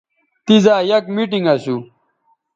تیزا یک میٹنگ اسو